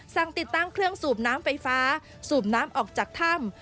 ติดตั้งเครื่องสูบน้ำไฟฟ้าสูบน้ำออกจากถ้ำ